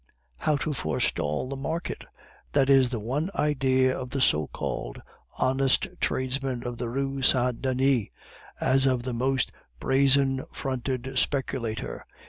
How to forestall the market that is the one idea of the so called honest tradesman of the Rue Saint Denis, as of the most brazen fronted speculator.